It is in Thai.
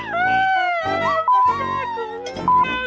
แล้วกุ่นแย่